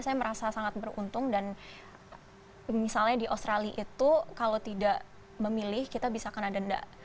saya merasa sangat beruntung dan misalnya di australia itu kalau tidak memilih kita bisa kena denda